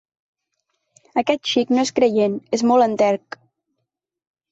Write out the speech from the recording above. Aquest xic no és creient: és molt enterc.